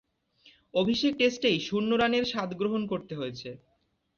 অভিষেক টেস্টেই শূন্য রানের স্বাদ গ্রহণ করতে হয়েছে।